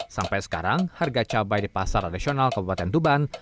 sampai sekarang harga cabai di pasar tradisional kabupaten tuban